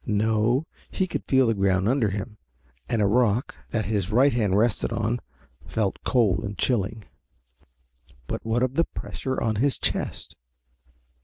No, he could feel the ground under him, and a rock that his right hand rested on, felt cold and chilling. But what of the pressure on his chest?